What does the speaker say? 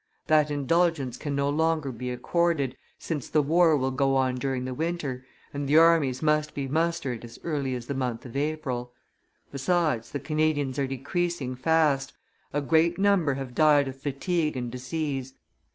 That indulgence can no longer be accorded, since the war will go on during the winter, and the armies must be mustered as early as the month of April. Besides, the Canadians are decreasing fast; a great number have died of fatigue and disease.